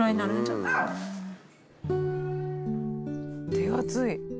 手厚い。